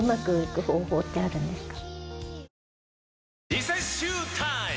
リセッシュータイム！